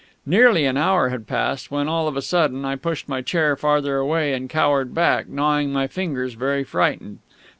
Nearly an hour had passed when, all of a sudden, I pushed my chair farther away and cowered back, gnawing my fingers, very frightened.